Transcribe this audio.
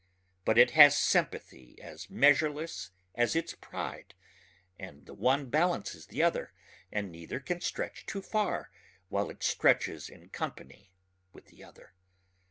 But it has sympathy as measureless as its pride and the one balances the other and neither can stretch too far while it stretches in company with the other.